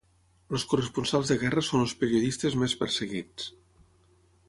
Els corresponsals de guerra són els periodistes més perseguits.